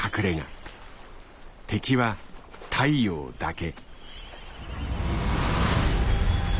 敵は太陽だけ。